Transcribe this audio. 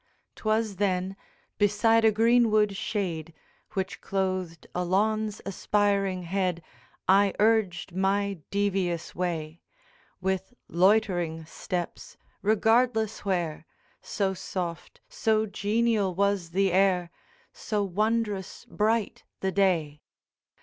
'Twas then, beside a greenwood shade Which clothed a lawn's aspiring head, I urged my devious way, With loitering steps regardless where, So soft, so genial was the air, So wondrous bright the day.